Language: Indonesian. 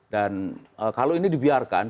dan kalau ini dibiarkan